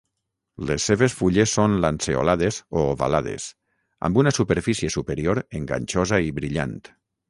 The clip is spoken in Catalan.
Les seves fulles són lanceolades o ovalades, amb una superfície superior enganxosa i brillant.